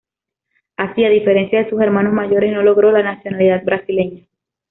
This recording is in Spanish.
Así, a diferencia de sus hermanos mayores, no logró la nacionalidad brasileña.